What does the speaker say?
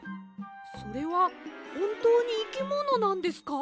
それはほんとうにいきものなんですか？